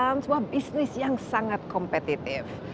merupakan sebuah bisnis yang sangat kompetitif